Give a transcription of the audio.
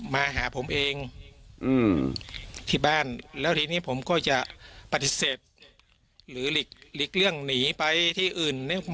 มาหาผมเองที่บ้านแล้วทีนี้ผมก็จะปฏิเสธหรือหลีกเลี่ยงหนีไปที่อื่น